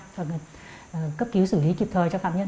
cấp cứu xử lý kịp thời cho phạm nhân